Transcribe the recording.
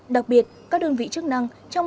đặc biệt các đơn vị chức năng